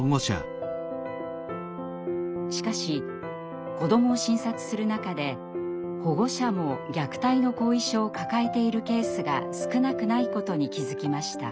しかし子どもを診察する中で保護者も虐待の後遺症を抱えているケースが少なくないことに気付きました。